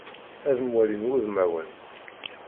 Ad mwalin wudmawen.